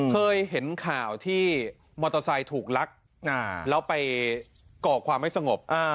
เคยเห็นข่าวที่มอเตอร์ไซค์ถูกลักแล้วไปก่อความไม่สงบ